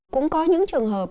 cũng có những trường hợp